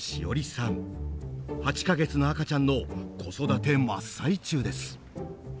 ８か月の赤ちゃんの子育て真っ最中です。